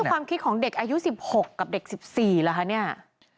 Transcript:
ความคิดของเด็กอายุ๑๖กับเด็ก๑๔เหรอคะเนี่ย